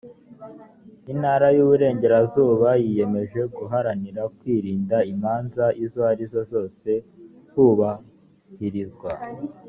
intara y uburengerazuba yiyemeje guharanira kwirinda imanza izo ari zo zose hubahirizwa